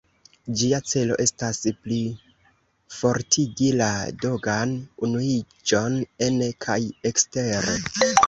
Ĝia celo estas plifortigi la dogan-unuiĝon ene kaj ekstere.